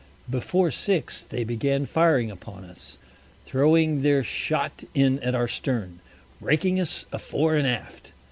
Before Six, they began firing upon us, throwing their Shot in at our Stern, raking us afore and aft.